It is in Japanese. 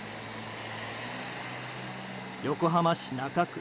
横浜市中区。